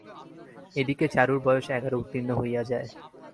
এ দিকে চারুর বয়স এগারো উত্তীর্ণ হইয়া যায়।